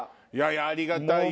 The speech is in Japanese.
ありがたいよ！